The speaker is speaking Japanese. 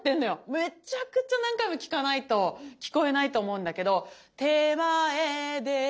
めちゃくちゃ何回も聞かないと聞こえないと思うんだけど「手前で」